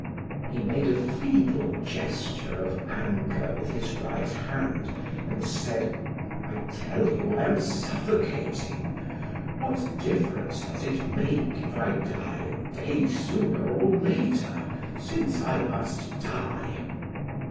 He made a feeble gesture of anger with his right hand, and said: "I tell you I am suffocating! What difference does it make if I die a day sooner or later, since I must die?"